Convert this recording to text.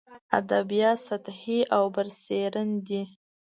ادبیات سطحي او برسېرن دي.